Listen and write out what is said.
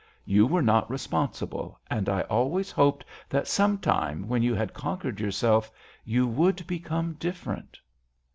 You were not responsible, and I always hoped that some time, when you had conquered yourself, you would become different."